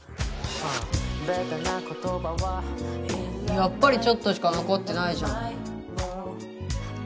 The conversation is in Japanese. やっぱりちょっとしか残ってないじゃん。